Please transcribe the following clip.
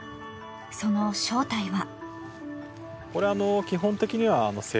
その正体は。